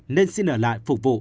nên xin ở lại phục vụ